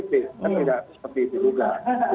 tapi tidak seperti itu juga